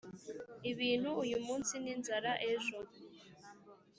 ibintu uyu munsi ninzara ejo.